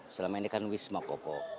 selama ini kan wisma kopo